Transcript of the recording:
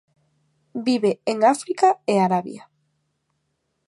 Vive en África e Arabia.